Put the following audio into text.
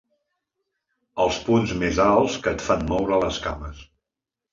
Els punts més alts que et fan moure les cames.